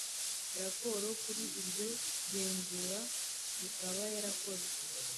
Raporo kuri iryo genzura ikaba yarakozwe